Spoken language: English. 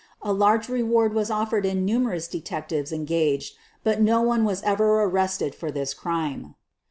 A large reward was offered and numerous detectives en gaged, but no one was ever arrested for this crime.